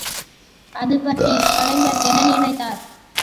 அது பற்றி கலைஞர் என்ன நினைத்தார்!